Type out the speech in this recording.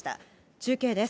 中継です。